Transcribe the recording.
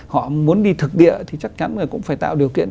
họ muốn đi thực địa thì chắc chắn là cũng phải tạo điều kiện